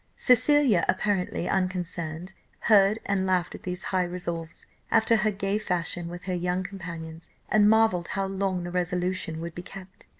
"Cecilia, apparently unconcerned, heard and laughed at these high resolves, after her gay fashion with her young companions, and marvelled how long the resolution would be kept.